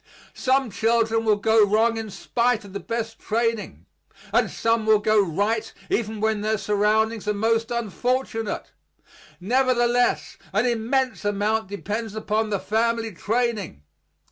Some children will go wrong in spite of the best training; and some will go right even when their surroundings are most unfortunate; nevertheless an immense amount depends upon the family training.